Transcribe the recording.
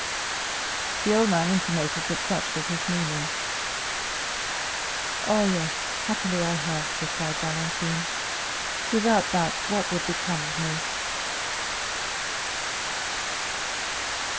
The old man intimated that such was his meaning. "Ah, yes, happily I have," replied Valentine. "Without that, what would become of me?"